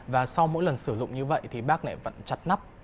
và sau mỗi lần sử dụng như vậy thì bác lại vẫn chặt nắp